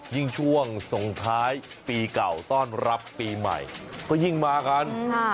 ยิ่งช่วงส่งท้ายปีเก่าต้อนรับปีใหม่ก็ยิ่งมากัน